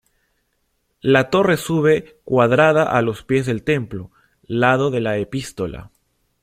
La torre sube cuadrada a los pies del templo, lado de la epístola.